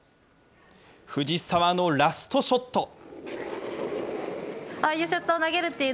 藤澤のラストショット。